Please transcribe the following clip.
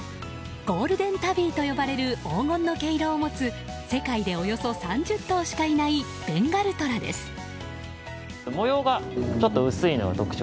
ゴールデンタビーと呼ばれる黄金の毛色を持つ世界でおよそ３０頭しかいないベンガルトラです。